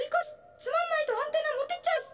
つまんないとアンテナ持ってっちゃいます。